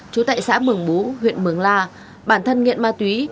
trú tại xã mường bú huyện mường la bản thân nghiện ma túy